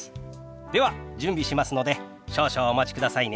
では準備しますので少々お待ちくださいね。